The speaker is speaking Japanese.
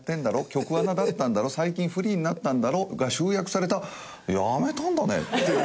「局アナだったんだろ最近フリーになったんだろ」が集約された「辞めたんだね」。